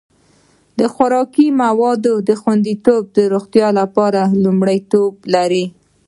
د خوراکي موادو خوندیتوب د روغتیا لپاره لومړیتوب لري.